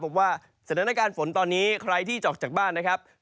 พบว่าสถานการณ์ฝนตอนนี้ใครที่จะออกจากบ้านนะครับ